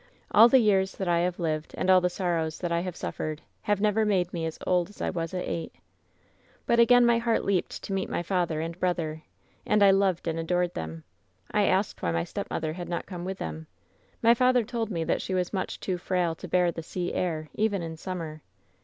All the years that I have lived and all the sorrows that I have suffered have never made me as old as I was at ei^ht. "But again my heart leaped to meet father and brother, and I loved and adored them. I asked why my stepmother had not come with them. My father told me that she was much too frail to bear the sea air even in summer.